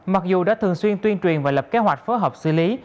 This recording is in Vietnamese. mặc dù đã thường xuyên tuyên truyền và lập kế hoạch phối hợp xử lý